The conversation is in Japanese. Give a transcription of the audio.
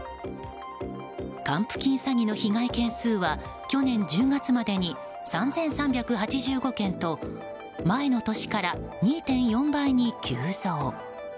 還付金詐欺の被害件数は去年１０月までに３３８５件と前の年から２．４倍に急増。